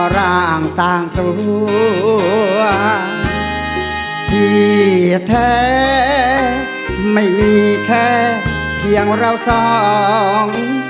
ร่างสร้างตัวที่แท้ไม่มีแค่เพียงเราสอง